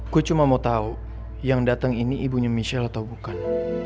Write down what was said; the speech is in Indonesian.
gue cuma mau tahu yang datang ini ibunya michelle atau bukan